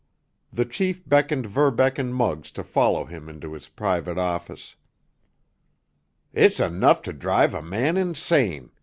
The chief beckoned Verbeck and Muggs to follow him into his private office. "It's enough to drive a man insane!"